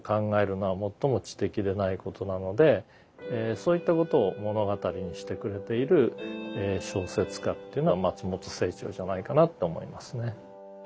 そういったことを物語にしてくれている小説家っていうのは松本清張じゃないかなと思いますね。